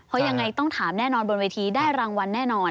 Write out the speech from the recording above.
เพราะยังไงต้องถามแน่นอนบนเวทีได้รางวัลแน่นอน